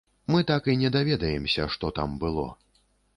Мы так і не даведаемся, што там было.